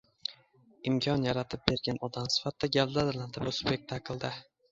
Imkon yaratib bergan odam sifatida gavdalanadi bu spektaklda.